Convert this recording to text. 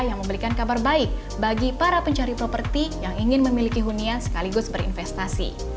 yang memberikan kabar baik bagi para pencari properti yang ingin memiliki hunian sekaligus berinvestasi